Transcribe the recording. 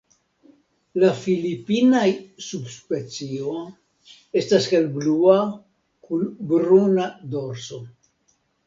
La filipinaj subspecio estas helblua kun bruna dorso.